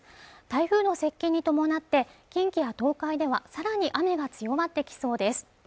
台風の接近に伴って近畿や東海ではさらに雨が強まってきそうです